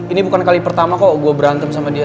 ini bukan kali pertama kok gue berantem sama dia